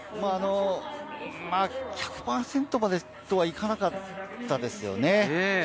１００％までとはいかなかったですよね。